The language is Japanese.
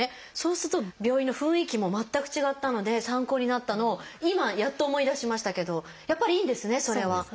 そうすると病院の雰囲気も全く違ったので参考になったのを今やっと思い出しましたけどやっぱりいいんですねそれは。